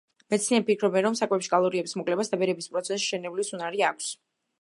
მეცნიერები ფიქრობენ, რომ საკვებში კალორიების მოკლებას, დაბერების პროცესის შენელების უნარი აქვს.